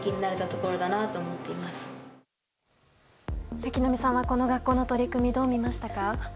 瀧波さんはこの学校の取り組みどう見ましたか？